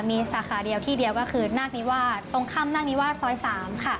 มีสาขาเดียวที่เดียวก็คือนักนี้ว่าตรงข้ำนักนี้ว่าซอย๓ค่ะ